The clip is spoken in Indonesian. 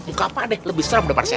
muka pak deh lebih serem nazi